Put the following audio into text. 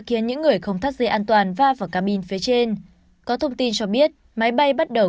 được gửi không thắt dây an toàn va vào cabin phía trên có thông tin cho biết máy bay bắt đầu